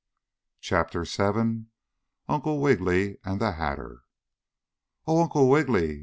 CHAPTER VII UNCLE WIGGILY AND THE HATTER "Oh, Uncle Wiggily!"